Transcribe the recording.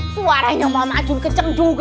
suaranya mama jun keceng juga ya